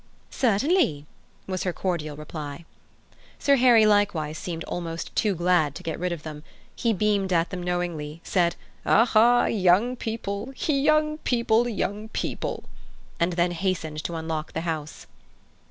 "Certainly!" was her cordial reply. Sir Harry likewise seemed almost too glad to get rid of them. He beamed at them knowingly, said, "Aha! young people, young people!" and then hastened to unlock the house.